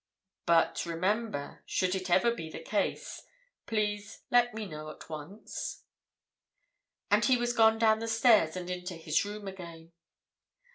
'But, remember, should it ever be the case, please let me know at once.' "And he was gone down the stairs and into his room again.